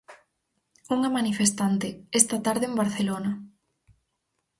Unha manifestante, esta tarde en Barcelona.